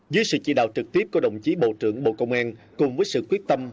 dưới sự chỉ đạo trực tiếp của đồng chí bộ trưởng bộ công an cùng với sự quyết tâm